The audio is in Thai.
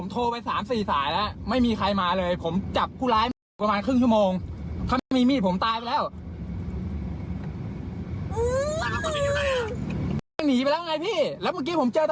แต่ตำรวจกลัวรถชนตายตำรวจบอกว่าต้องเองวิ่งตามไปเลย